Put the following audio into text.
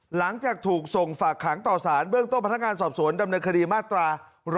หลังจากถูกส่งฝากขังต่อสารเบื้องต้นพนักงานสอบสวนดำเนินคดีมาตรา๑๑